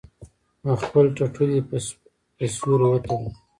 نو خپل ټټو دې پۀ سيوري وتړي -